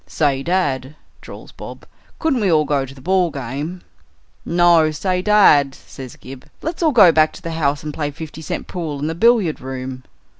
"Say, dad," drawls Bob, "couldn't we all go to the ball game?" "No. Say, dad," says Gib, "let's all go back to the house and play five cent pool in the billiard room."